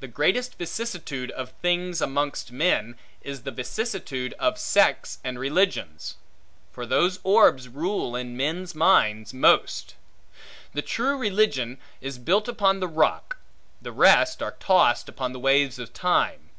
The greatest vicissitude of things amongst men, is the vicissitude of sects and religions. For those orbs rule in men's minds most. The true religion is built upon the rock; the rest are tossed, upon the waves of time.